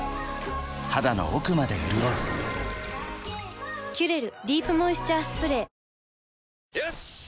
肌の奥まで潤う「キュレルディープモイスチャースプレー」よしっ！